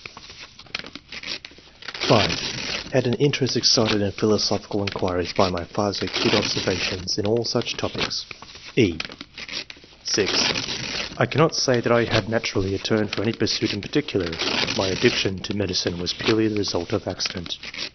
(c, g) (5) " Had an interest exerted in philosophical 182 ENGLISH MEN OF SCIENCE. [chap. inquiries by my father's acute observations in all such topics." (c) (6) " I cannot say that I had naturally a turn for any pursuit in particular. My addiction to medicine was purely the residt of accident.